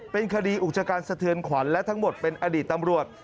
เป็นคดีอุกชการสะเทือนขวัญและทั้งหมดเป็นอดีตตำรวจ